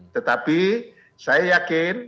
tetapi saya yakin